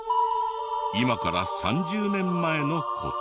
今から３０年前の事。